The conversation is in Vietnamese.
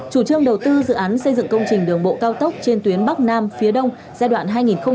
chủ trương đầu tư dự án xây dựng công trình đường bộ cao tốc trên tuyến bắc nam phía đông giai đoạn hai nghìn một mươi chín hai nghìn hai mươi